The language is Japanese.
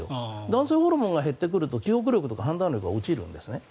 男性ホルモンが減ってくると記憶力とか判断力が落ちるんですね。